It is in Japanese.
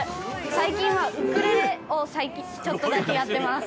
最近はウクレレをちょっとだけやってます。